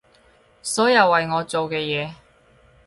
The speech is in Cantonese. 所有為我做嘅嘢